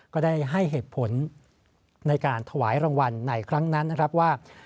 ก็ได้ให้เหตุผลในการถวายรางวัลในครั้งนั้นนะครับว่า